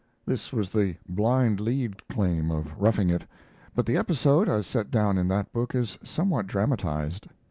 This was the "Blind Lead" claim of Roughing It, but the episode as set down in that book is somewhat dramatized.